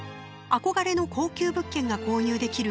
憧れの高級物件が購入できる上に。